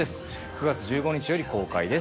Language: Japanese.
９月１５日より公開です。